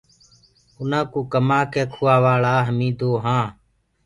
اُنآ ڪوٚ ڪمآنٚ ڪي کوٚوآوآݪآ هميٚنٚ دو آنٚ۔